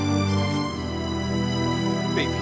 nggak akan pergi